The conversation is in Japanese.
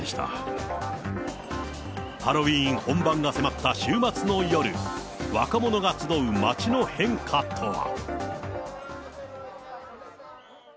ハロウィーン本番が迫った週末の夜、若者が集う街の変化とは。